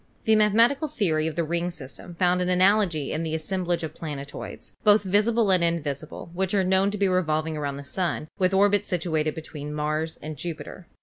The mathematical theory of the ring system found an analogy in the assemblage of planetoids, both visible and invisible, which are known to be revolving around the Sun with orbits situated between Mars and Jupiter.